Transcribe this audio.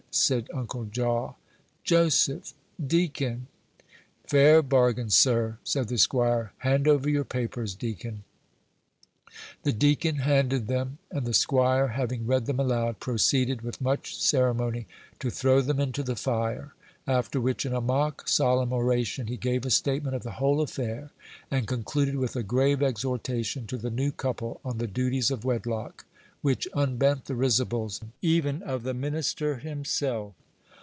said Uncle Jaw. "Joseph! Deacon!" "Fair bargain, sir," said the squire. "Hand over your papers, deacon." The deacon handed them, and the squire, having read them aloud, proceeded, with much ceremony, to throw them into the fire; after which, in a mock solemn oration, he gave a statement of the whole affair, and concluded with a grave exhortation to the new couple on the duties of wedlock, which unbent the risibles even of the minister himself.